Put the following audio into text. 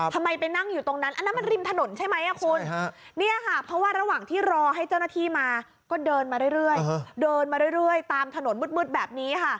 เขาเดินมาเรื่อยตามถนนมึดแบบนี้ค่ะ